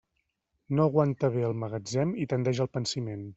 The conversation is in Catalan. No aguanta bé el magatzem i tendeix al pansiment.